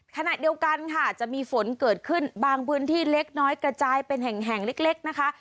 ขณะเดียวกันค่ะจะมีฝนเกิดขึ้นบางพื้นที่เล็กน้อยกระจายเป็นแห่งเล็กนะคะ